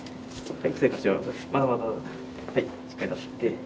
はい。